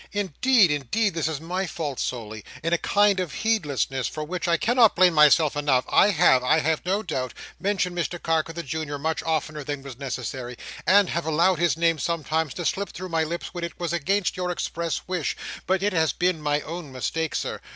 "Indeed, indeed, this is my fault solely. In a kind of heedlessness, for which I cannot blame myself enough, I have, I have no doubt, mentioned Mr Carker the Junior much oftener than was necessary; and have allowed his name sometimes to slip through my lips, when it was against your expressed wish. But it has been my own mistake, Sir.